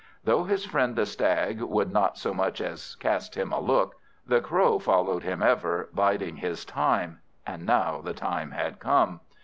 Though his friend the Stag would not so much as cast him a look, the Crow followed him ever, biding his time; and now the time had come.